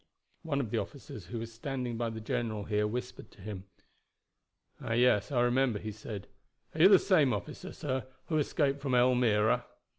One of the officers who was standing by the general here whispered to him. "Ah, yes, I remember," he said. "Are you the same officer, sir, who escaped from Elmira?"